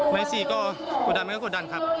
ไม้๔ก็กดดันไม่ก็กดดันครับ